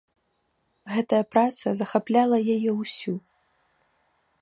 Гэтая праца захапляла яе ўсю.